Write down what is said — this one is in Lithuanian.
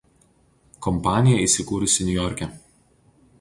Kompanija įsikūrusi Niujorke.